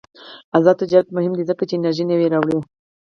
آزاد تجارت مهم دی ځکه چې انرژي نوې راوړي.